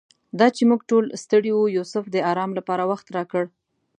دا چې موږ ټول ستړي وو یوسف د آرام لپاره وخت راکړ.